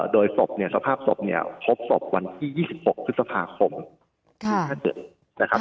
โดยศพเนี่ยสภาพศพเนี่ยพบศพวันที่๒๖พฤษภาคมที่ถ้าเกิดนะครับ